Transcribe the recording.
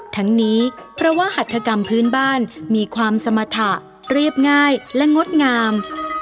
ทั้งนี้เพราะว่าหัตถกรรมพื้นบ้านมีความสมรรถะเรียบง่ายและงดงาม